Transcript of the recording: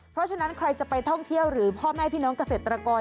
เพราะฉะนั้นใครจะไปท่องเที่ยวหรือพ่อแม่พี่น้องเกษตรกร